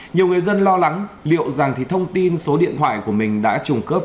nhiều người dân lo lắng liệu rằng thông tin số điện thoại của mình đã trùng khớp